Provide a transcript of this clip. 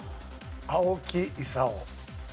青木功。